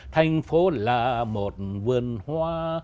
thành phố là một vườn hoa